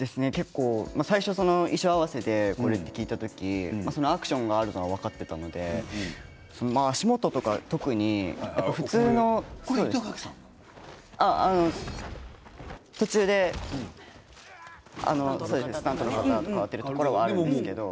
最初、衣装合わせでこれを着ると聞いた時にアクションがあるのは分かっていたので足元とか特に普通の途中でスタントの方とかわるんですけどね。